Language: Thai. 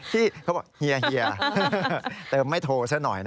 ที่เขาบอกเฮียเติมไม่โทรซะหน่อยนะ